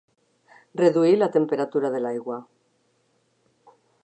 Reduir la temperatura de l'aigua.